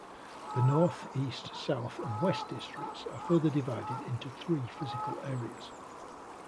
The North, East, South and West Districts are further divided into three physical areas.